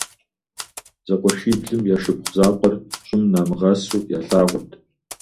Зэкъуэшиблым я шыпхъу закъуэр щӀым намыгъэсу ялъагъурт.